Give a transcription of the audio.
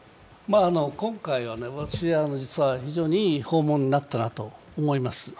今回、私、実は非常にいい訪問になったと思います。